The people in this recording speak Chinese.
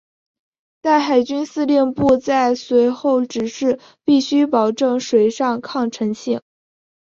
但海军司令部在随后指示必须保证水上抗沉性。